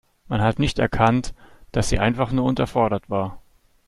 Man hat nicht erkannt, dass sie einfach nur unterfordert war.